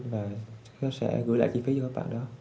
và em sẽ gửi lại chi phí cho các bạn đó